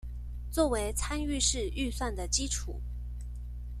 作為參與式預算的基礎